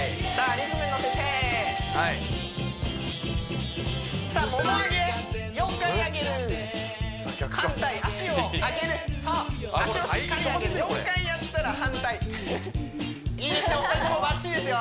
リズムに乗せてはいさあモモ上げ４回上げる逆か反対脚を上げるそう脚をしっかり上げる４回やったら反対いいですよ